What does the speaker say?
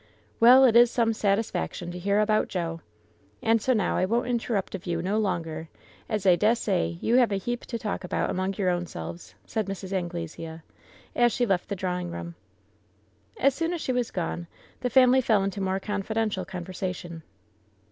'Well, it is some satisfaction to hear about Joe. And so now I won't interrupt of you no longer, as I dessay you have a heap to talk about among your ownselves," said Mrs. Anglesea, as she left the drawing room. As soon as she was gone the family fell into more confidential conversation.